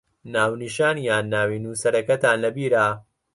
ناونیشان یان ناوی نووسەرەکەتان لەبیرە؟